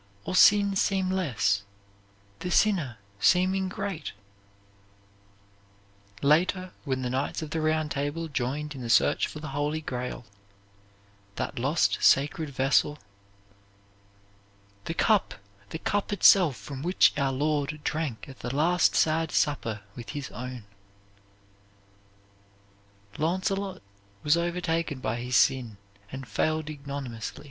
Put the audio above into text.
Or sin seem less, the sinner seeming great?" Later when the knights of the Round Table joined in the search for the Holy Grail, that lost sacred vessel, "The cup, the cup itself from which our Lord Drank at the last sad supper with his own," Launcelot was overtaken by his sin and failed ignominiously.